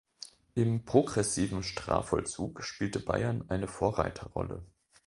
Im progressiven Strafvollzug spielte Bayern eine Vorreiterrolle.